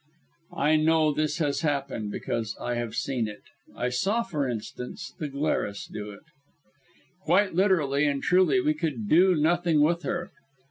I know this has happened, because I have seen it. I saw, for instance, the Glarus do it. Quite literally and truly we could do nothing with her.